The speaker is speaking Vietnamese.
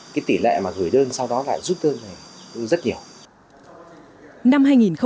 cái tỷ lệ mà gửi đơn sau đó lại giúp đơn này rất nhiều